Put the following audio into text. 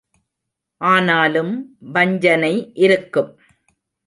ஆனாலும் வஞ்சனை இருக்கும்.